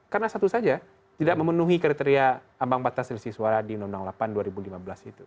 karena satu saja tidak memenuhi kriteria ambang batas selisih suara di uu no delapan dua ribu lima belas itu